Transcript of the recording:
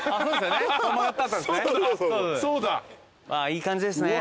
いい感じですね